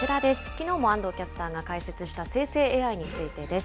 きのうも安藤キャスターが解説した生成ＡＩについてです。